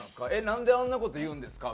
「なんであんな事言うんですか？」